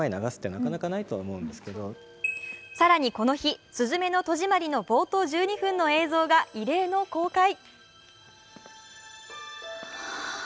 更にこの日、「すずめの戸締まり」の冒頭１２分の映像が異例の公開。